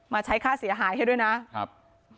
ใช้ค่าเสียหายให้ด้วยนะครับ